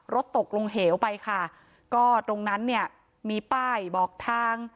รถตกลงเหวไปค่ะก็ตรงนั้นเนี่ยมีป้ายบอกทาง